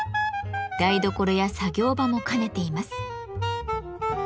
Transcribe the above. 台所や作業場も兼ねています。